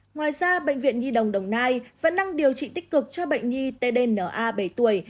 ngoài ra bệnh viện nhi đồng đồng nai vẫn đang điều trị tích cực cho bệnh nhi tdna bảy tuổi